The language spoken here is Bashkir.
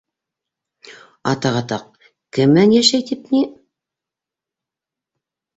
Атаҡ, атаҡ, кем менән йәшәй тип ни...